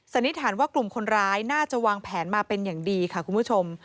นิษฐานว่ากลุ่มคนร้ายน่าจะวางแผนมาเป็นอย่างดีค่ะคุณผู้ชม